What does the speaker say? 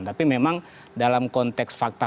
tapi memang dalam konteks fakta